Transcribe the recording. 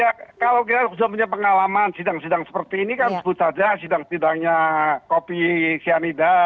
ya kalau kita sudah punya pengalaman sidang sidang seperti ini kan sebut saja sidang sidangnya kopi cyanida